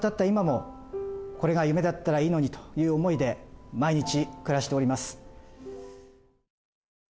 今もこれが夢だったらいいのにという思いで毎日暮らしております。